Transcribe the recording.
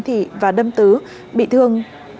thì và đâm tứ bị thương